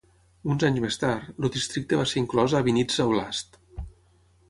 Uns anys més tard, el districte va ser inclòs a Vinnitsa Oblast.